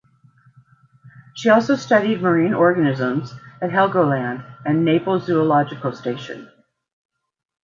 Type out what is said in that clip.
She also studied marine organisms at Helgoland and Naples Zoological Station.